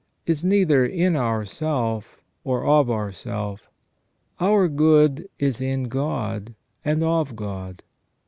is neither in ourself or of ourself : our good is in God and of God.